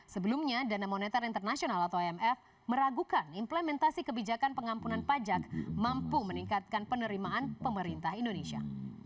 sebelumnya dana moneter internasional atau imf meragukan implementasi kebijakan pengampunan pajak mampu meningkatkan penerimaan pemerintah indonesia